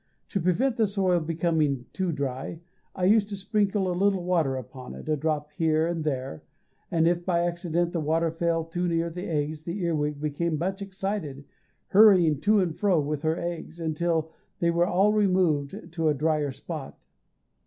To prevent the soil becoming too dry, I used to sprinkle a little water upon it a drop here and there and if by accident the water fell too near the eggs, the earwig became much excited, hurrying to and fro with her eggs, until they were all removed to a drier spot.